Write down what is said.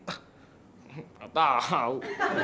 ah gak tau